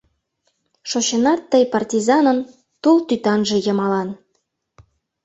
Шочынат тый партизанын Тул тӱтанже йымалан.